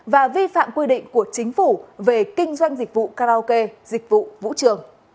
và vi phạm quy định của chính phủ về kinh doanh dịch vụ karaoke dịch vụ vũ trường